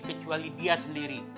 kecuali dia sendiri